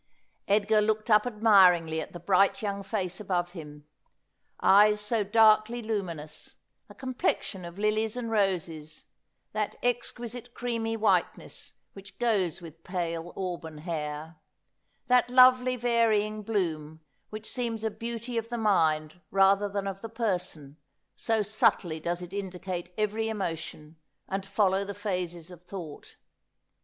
Edgar looked up admiringly at the bright young face above him : eyes so darkly luminous, a complexion of lilies and roses, that exquisite creamy whiteness which goes with pale auburn hair, that lovely varying bloom which seems a beauty of the mind rather than of the person, so subtly does it indicate every emotion and follow the phases of thought.